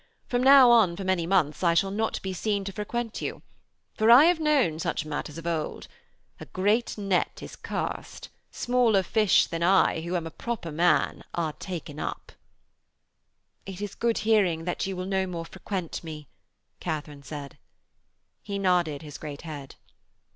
From now on, for many months, I shall not be seen to frequent you. For I have known such matters of old. A great net is cast: many fish smaller than I be, who am a proper man are taken up.' 'It is good hearing that you will no more frequent me,' Katharine said. He nodded his great head.